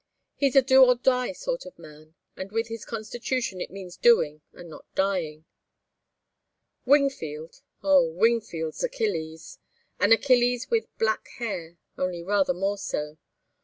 He's a do or die sort of man and with his constitution it means doing and not dying. Wingfield oh, Wingfield's Achilles. An Achilles with black hair only rather more so.